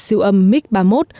tên lửa siêu âm mig ba mươi một